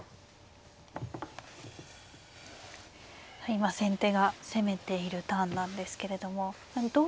今先手が攻めているターンなんですけれどもどう対応しても。